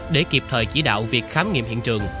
để kịp thời chỉ đạo việc khám nghiệm hiện trường